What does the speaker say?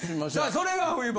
それが冬場。